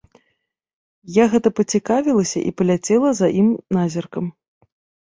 Я гэта пацікавілася і паляцела за ім назіркам.